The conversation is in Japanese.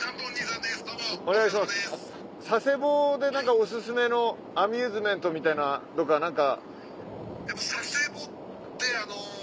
佐世保で何かお薦めのアミューズメントみたいなとか何か。